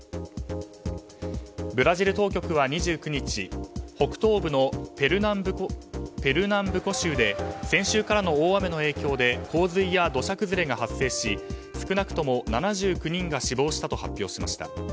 ブラジル当局は２９日北東部のペルナンブコ州で先週からの大雨の影響で洪水や土砂崩れが発生し少なくとも７９人が死亡したと発表しました。